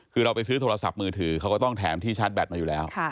คือเราไปซื้อโทรศัพท์มือถือเขาก็ต้องแถมที่ชาร์จแบตมาอยู่แล้ว